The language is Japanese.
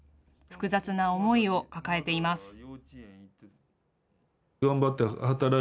複雑な思いを抱えています。